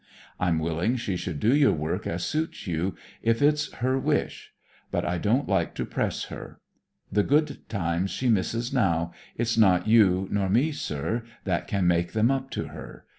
I'm willing she should do your work as suits you, if it's her wish; but I don't like to press her. The good times she misses now, it's not you nor me, sir, that can make them up to her.